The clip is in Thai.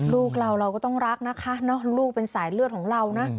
ลูกเราเราก็ต้องรักนะคะลูกเป็นสายเลือดของเรานะ